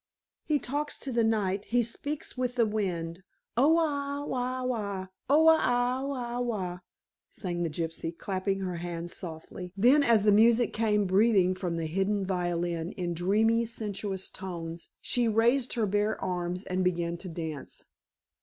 "He talks to the night he speaks with the wind. Oh ah ah ah. Ah oha oha oha ho," sang the gypsy, clapping her hands softly, then, as the music came breathing from the hidden violin in dreamy sensuous tones, she raised her bare arms and began to dance.